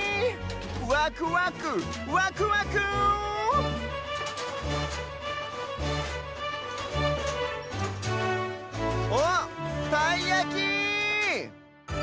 わくわくわくわく！おったいやき！